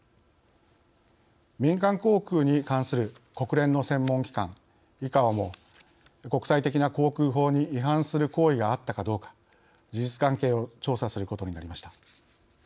民間航空に関する国連の専門機関ＩＣＡＯも国際的な航空法に違反する行為があったかどうか、事実関係を調査することになりました。